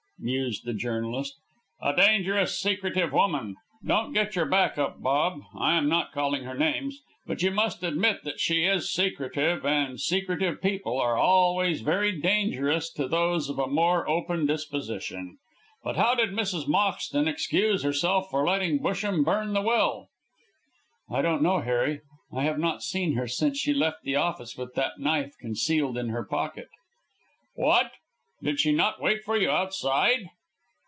mused the journalist. "A dangerous, secretive woman! Don't get your back up, Bob, I am not calling her names. But you must admit that she is secretive, and secretive people are always very dangerous to those of a more open disposition. But how did Mrs. Moxton excuse herself for letting Busham burn the will?" "I don't know, Harry. I have not seen her since she left the office with that knife concealed in her pocket." "What! Did she not wait for you outside?"